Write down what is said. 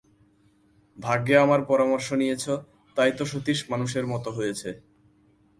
ভাগ্যে আমার পরামর্শ নিয়েছো, তাই তো সতীশ মানুষের মতো হয়েছে।